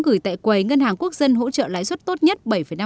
gửi tại quầy ngân hàng quốc dân hỗ trợ lãi suất tốt nhất bảy năm